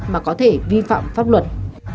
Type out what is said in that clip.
mà có thể vi phạm pháp luật